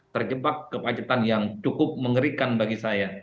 terjebak kemacetan yang cukup mengerikan bagi saya